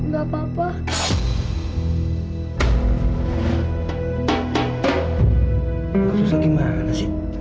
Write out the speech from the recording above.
gak usah gimana sih